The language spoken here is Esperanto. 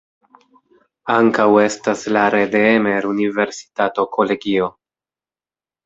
Ankaŭ estas la Redeemer-Universitato-kolegio.